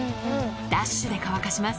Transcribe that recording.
ダッシュで乾かします